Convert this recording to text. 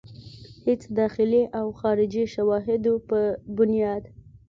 هيڅ داخلي او خارجي شواهدو پۀ بنياد